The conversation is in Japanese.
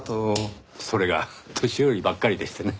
それが年寄りばっかりでしてね。